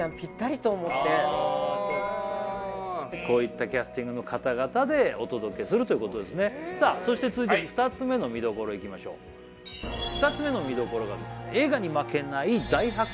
こういったキャスティングの方々でお届けするということですねさあそして続いて２つ目の見どころいきましょう２つ目の見どころがですね